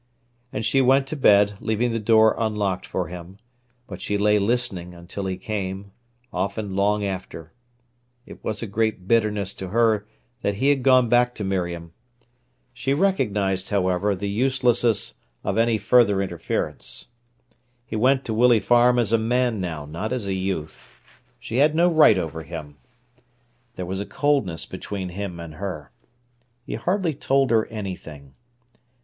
And she went to bed, leaving the door unlocked for him; but she lay listening until he came, often long after. It was a great bitterness to her that he had gone back to Miriam. She recognised, however, the uselessness of any further interference. He went to Willey Farm as a man now, not as a youth. She had no right over him. There was a coldness between him and her. He hardly told her anything.